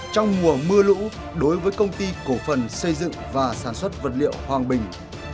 trong mùa mưa lũ đối với công ty cổ phần xây dựng và sản xuất vật liệu hoàng bình